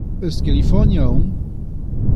Eus Kalifornia omp.